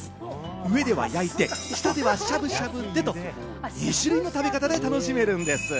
上では焼いて、下ではしゃぶしゃぶでと２種類の食べ方で楽しめるんです。